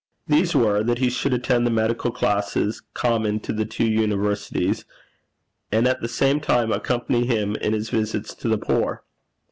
These were, that he should attend the medical classes common to the two universities, and at the same time accompany him in his visits to the poor.